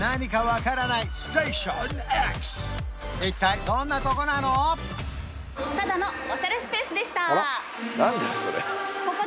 一体どんなとこなの？